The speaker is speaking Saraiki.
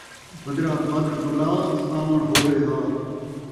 بدرا بدر بلا، ساوݨ ہووے ہا